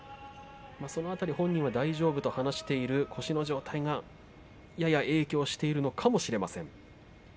その辺り本人は大丈夫と話している腰がやや影響しているのかもしれません。